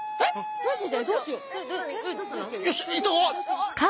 マジで？